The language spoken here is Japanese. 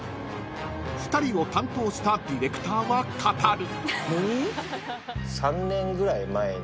［２人を担当したディレクターは語る］